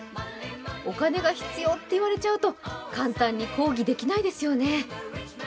お金が必要っていわれちゃうと簡単に抗議できないですよね。